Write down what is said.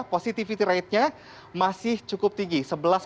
positifitasnya masih cukup tinggi